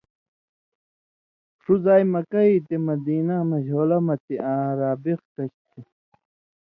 ݜُو زائ مکہ یی تے مدیناں مژھولہ مہ تھی آں رابغ کَچھ تھی۔